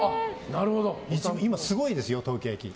今すごいですよ、東京駅。